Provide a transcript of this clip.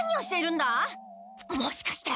もしかして。